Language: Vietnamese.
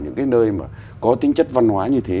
những cái nơi mà có tính chất văn hóa như thế